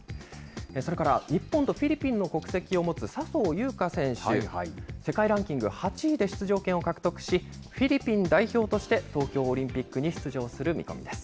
それから日本とフィリピンの国籍を持つ笹生優花選手、世界ランキング８位で出場権を獲得し、フィリピン代表として東京オリンピックに出場する見込みです。